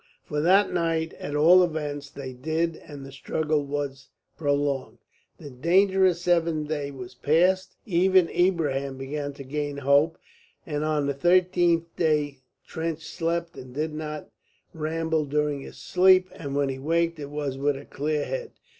For that night, at all events, they did, and the struggle was prolonged. The dangerous seventh day was passed. Even Ibrahim began to gain hope; and on the thirteenth day Trench slept and did not ramble during his sleep, and when he waked it was with a clear head.